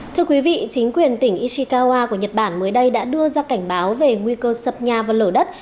thưa quý vị chính quyền tỉnh ishikawa của nhật bản mới đây đã đưa ra cảnh báo về nguy cơ sập nhà và lở đất